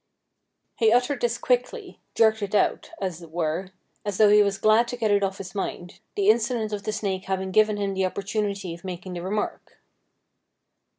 He utteredthis quickly — jerked it out, as it were — as though he was glad to get it off his mind, the incident of the snake having given him the opportunity of making the remark.